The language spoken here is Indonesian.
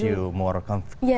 ya itu membuat anda lebih nyaman